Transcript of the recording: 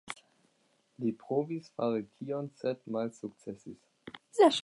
Li provis fari tion sed malsukcesis.